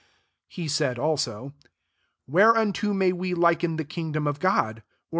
30 He said also, « Whercunto may we liken the kingdom of God ?